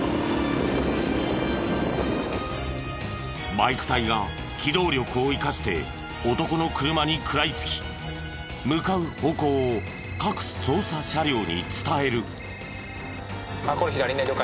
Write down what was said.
バイク隊が機動力を生かして男の車に食らいつき向かう方向を各捜査車両に伝える。